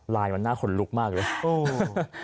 มันน่าขนลุกมากเลย